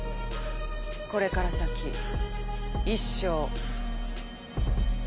これから先一生。